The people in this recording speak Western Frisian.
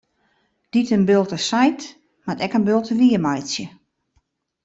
Dy't in bulte seit, moat ek in bulte wiermeitsje.